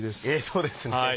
そうですね。